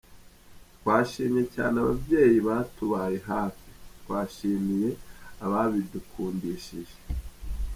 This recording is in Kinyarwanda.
Twashimiye cyane ababyeyi batubaye hafi, twashimiye ababidukundishije.